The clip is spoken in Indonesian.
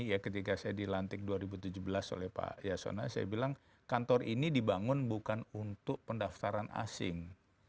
ya ketika saya dilantik dua ribu tujuh belas oleh pak yasona saya bilang kantor ini dibangun bukan untuk pendaftaran asing